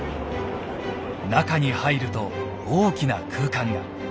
中に入ると大きな空間が。